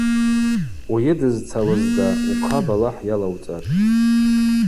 Уйыдызцалызда, ухъа балахӏ йалауцӏатӏ.